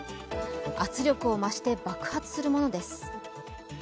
圧力を増して爆発するものです。